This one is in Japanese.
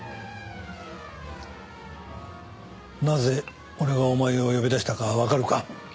なぜ俺がお前を呼び出したかわかるか？